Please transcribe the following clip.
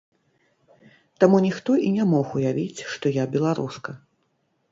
Таму ніхто і не мог уявіць, што я беларуска.